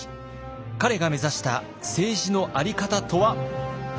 彼が目指した政治の在り方とは？